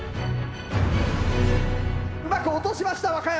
うまく落としました和歌山。